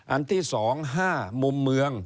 อันที่๒๕มุมเมือง